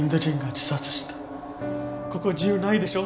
ここ自由ないでしょ？